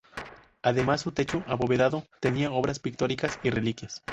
Además, su techo abovedado tenía obras pictóricas y reliquias.